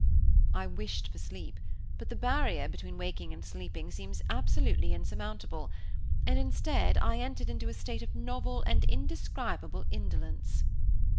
I wished for sleep; but the barrier between waking and sleeping seemed absolutely insurmountable; and, instead, I entered into a state of novel and indescribable indolence.